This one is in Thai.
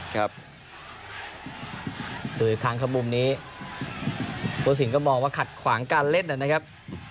ตัวอีกครั้งข้างมุมนี้โฟสินก็มองว่าขัดขวางการเล่นอ่ะนะครับ